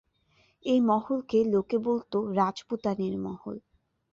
এই মহলকে লোকে বলত রাজপুতানীর মহল।